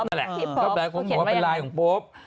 เขาเขียนว่าเป็นลายของป๊อป